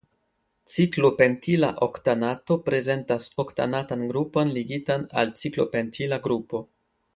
Ciklopentila oktanato prezentas oktanatan grupon ligitan al ciklopentila grupo.